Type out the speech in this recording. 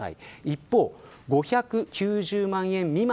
一方、５９０万円未満